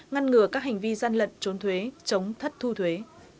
ngăn ngừa các hành vi gian lận trốn thuế chống thất thu thuế